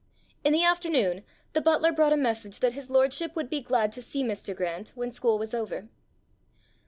In the afternoon the butler brought a message that his lordship would be glad to see Mr. Grant when school was over.